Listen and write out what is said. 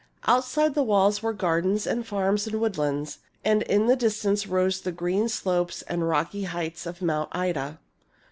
Outside the walls were gardens and farms and woodlands ; and in the distance rose the green slopes and rocky heights of Mount Ida.